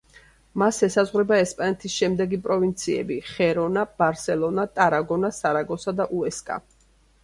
მას ესაზღვრება ესპანეთის შემდეგი პროვინციები: ხერონა, ბარსელონა, ტარაგონა, სარაგოსა და უესკა.